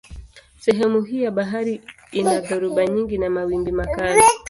Sehemu hii ya bahari ina dhoruba nyingi na mawimbi makali.